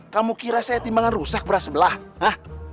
kamu kira saya tim yang rusak berat sebelah hah